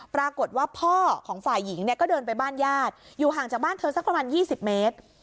ปรากฏว่าพ่อของฝ่ายหญิงเนี่ยก็เดินไปบ้านญาติอยู่ห่างจากบ้านเธอสักประมาณ๒๐เมตร